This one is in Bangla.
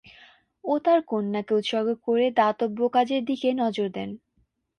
ও তার কন্যাকে উৎসর্গ করে দাতব্য কাজের দিকে নজর দেন।